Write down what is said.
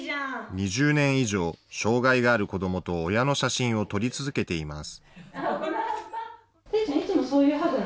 ２０年以上、障害がある子どもと親の写真を撮り続けています。